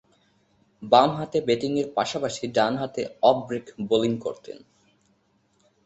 বামহাতে ব্যাটিংয়ের পাশাপাশি ডানহাতে অফ ব্রেক বোলিং করতেন।